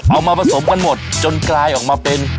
เอามาผสมกันหมดจนกลายออกมาเป็น